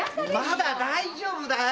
まだ大丈夫だよ。